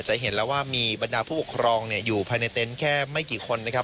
เห็นแล้วว่ามีบรรดาผู้ปกครองอยู่ภายในเต็นต์แค่ไม่กี่คนนะครับ